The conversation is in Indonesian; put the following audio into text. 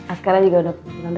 askara juga udah tidur di kamar